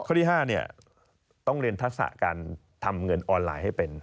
ข้อที่๕ต้องเรียนทักษะการทำเงินออนไลน์ให้เป็น